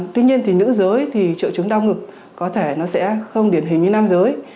tuy nhiên thì nữ giới thì triệu chứng đau ngực có thể nó sẽ không điển hình như nam giới